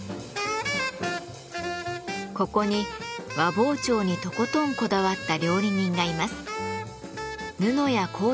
ここに和包丁にとことんこだわった料理人がいます。